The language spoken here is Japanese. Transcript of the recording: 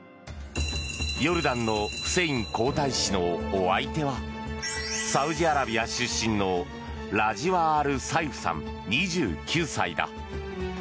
ヨルダンのフセイン皇太子のお相手はサウジアラビア出身のラジワ・アル・サイフさん２９歳だ。